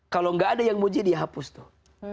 kalau gak ada yang muji dia hapus tuh